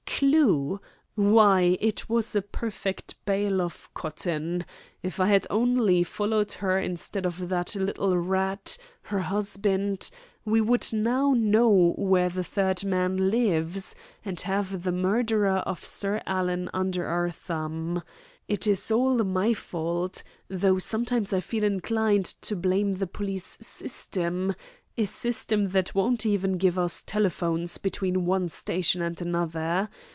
Clue! Why, it was a perfect bale of cotton. If I had only followed her instead of that little rat, her husband, we would now know where the third man lives, and have the murderer of Sir Alan under our thumb. It is all my fault, though sometimes I feel inclined to blame the police system a system that won't even give us telephones between one station and another.